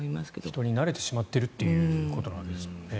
人に慣れてしまっているということですもんね。